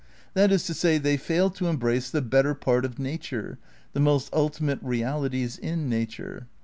That is to say, they fail to embrace the better part of nature, the most ultimate realities in nature.